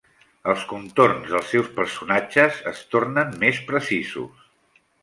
Els contorns dels seus personatges es tornen més precisos.